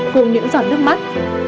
cùng những giọt nước mắt